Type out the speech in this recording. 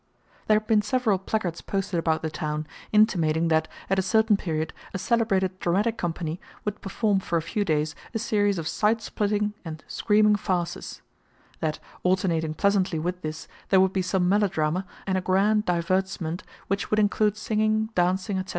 There had been several placards posted about the town, intimating that, at a certain period, a celebrated dramatic company would perform, for a few days, a series of "side splitting" and "screaming farces"; that, alternating pleasantly with this, there would be some melodrama and a grand divertisement which would include singing, dancing, etc.